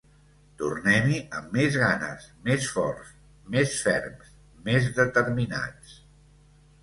Tornem-hi amb més ganes, més forts, més ferms, més determinats.